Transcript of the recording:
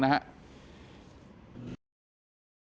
นะครับ